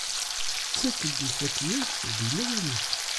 Tettak-d lfakya-s di lawan-is.